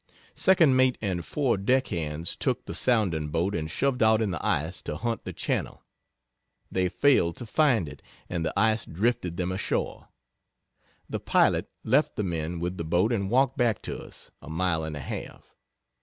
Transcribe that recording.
Second Mate and four deck hands took the sounding boat and shoved out in the ice to hunt the channel. They failed to find it, and the ice drifted them ashore. The pilot left the men with the boat and walked back to us, a mile and a half.